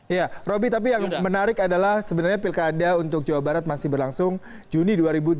ya robby tapi yang menarik adalah sebenarnya pilkada untuk jawa barat masih berlangsung juni dua ribu delapan belas